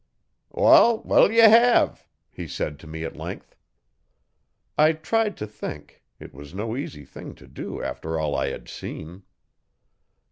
'Wall, what'll ye hev?' he said to me at length. I tried to think it was no easy thing to do after all I had seen.